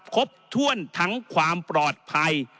ครบถ้วนทั้งความปลอดภัย